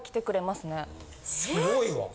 すごいわ！